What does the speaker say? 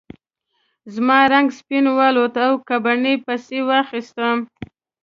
زما رنګ سپین والوت او ګبڼۍ پسې واخیستم.